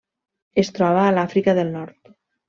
Es troba a l'Àfrica del Nord: